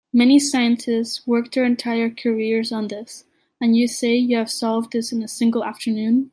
Many scientists work their entire careers on this, and you say you have solved this in a single afternoon?